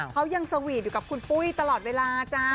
เขายังสวีทอยู่กับคุณปุ้ยตลอดเวลาจ้า